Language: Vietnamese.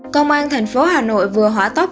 công an thành phố hà nội vừa hỏa tóc